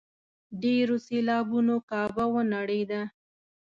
ډېرو سېلابونو کعبه ونړېده.